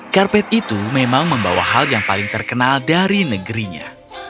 karpet itu memang membawa hal yang paling terkenal dari negerinya